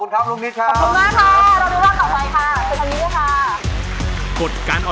ช่วยฝังดินหรือกว่า